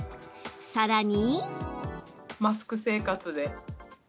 さらに。